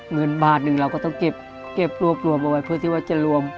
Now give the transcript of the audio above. เงินบาทหนึ่งเราก็ต้องเก็บรวบรวมเอาไว้เพื่อที่ว่าจะรวม